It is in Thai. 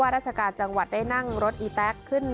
ราชการจังหวัดได้นั่งรถอีแต๊กขึ้น